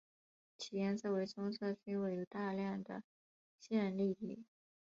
其颜色为棕色是因为有大量的线粒体。